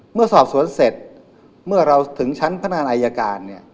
เมื่อสอบสวนเสร็จเมื่อเราถึงชั้นพนักงานอายการ